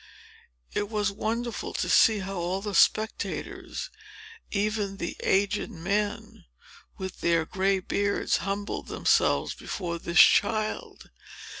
It was wonderful to see how all the spectators, even the aged men, with their gray beards, humbled themselves before this child.